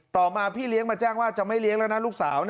ต่อมาพี่เลี้ยงมาแจ้งว่าจะไม่เลี้ยงแล้วนะลูกสาว